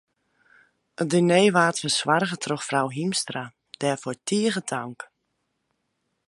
It diner waard fersoarge troch frou Hiemstra, dêrfoar tige tank.